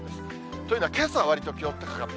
というのはけさ、わりと気温高かった。